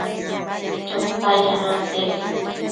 Chotac yacno nidebi